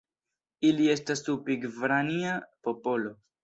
Ili estas Tupi-gvarania popolo.